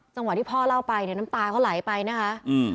จังหวะที่พ่อเล่าไปเนี่ยน้ำตาเขาไหลไปนะคะ